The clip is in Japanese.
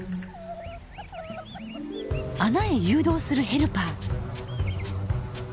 穴へ誘導するヘルパー。